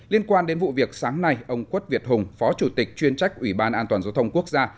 liên quan đến vụ việc sáng nay ông quất việt hùng phó chủ tịch chuyên trách ủy ban an toàn giao thông quốc gia